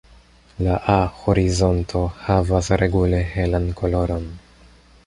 La A-horizonto havas regule helan koloron.